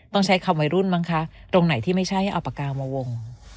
ต้องใช้คำวัยรุ่นมั้งคะตรงไหนที่ไม่ใช่ให้เอาปากกามาวง